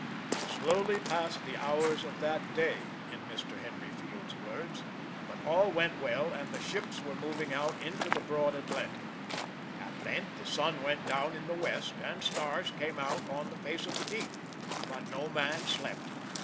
"Slowly passed the hours of that day," in Mr. Henry Field's words, "but all went well, and the ships were moving out into the broad Atlantic. At length the sun went down in the west, and stars came out on the face of the deep. But no man slept.